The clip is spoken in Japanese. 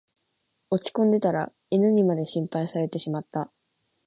落ちこんでたら犬にまで心配されてしまった